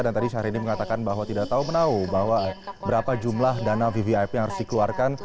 dan tadi syahrini mengatakan bahwa tidak tahu menau bahwa berapa jumlah dana ppip yang harus dikeluarkan